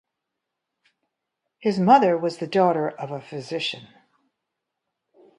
His mother was the daughter of a physician.